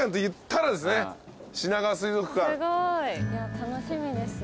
楽しみですよ。